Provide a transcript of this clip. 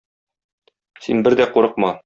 Син бер дә курыкма.